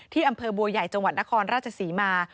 อำเภอบัวใหญ่จังหวัดนครราชศรีมา